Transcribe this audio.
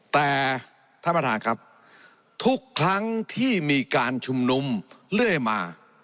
แต่ท่านประธานครับทุกครั้งที่มีการชุมนุมเรื่อยมา